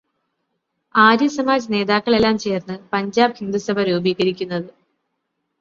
ആര്യ സമാജ് നേതാക്കളെല്ലാം ചേര്ന്ന് പഞ്ചാബ് ഹിന്ദു സഭ രൂപീകരിക്കുന്നത്.